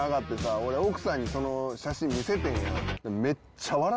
俺奥さんにその写真見せてんや。